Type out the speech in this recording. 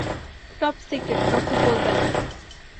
Top secret, কাউকে বলবে না।